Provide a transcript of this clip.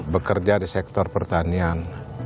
bekerja di sektor pertanian